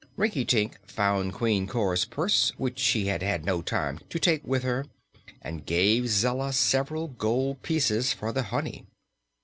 Rinkitink found Queen Cor's purse, which she had had no time to take with her, and gave Zella several gold pieces for the honey.